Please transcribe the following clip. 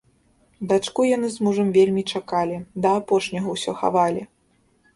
Дачку яны з мужам вельмі чакалі, да апошняга ўсё хавалі.